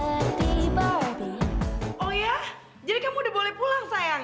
oh iya jadi kamu udah boleh pulang sayang